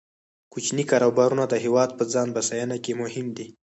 کوچني کاروبارونه د هیواد په ځان بسیاینه کې مهم دي.